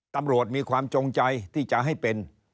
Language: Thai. ตำรวจมีความจงใจที่จะให้เป็น